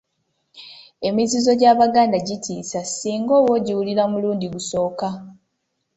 Emizizo gy'Abaganda gitiisa singa oba ogiwulira mulundi gusooka.